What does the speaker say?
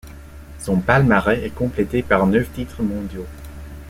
Son palmarès est complété par neuf titres mondiaux.